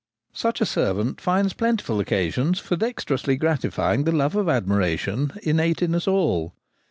Such a servant finds plentiful occasions for dexte rously gratifying the love of admiration innate in us all.